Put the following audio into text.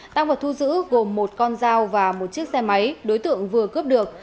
tăng vật thu giữ gồm một con dao và một chiếc xe máy đối tượng vừa cướp được